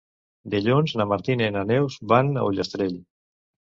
Dilluns na Martina i na Neus van a Ullastrell.